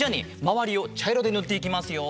まわりをちゃいろでぬっていきますよ。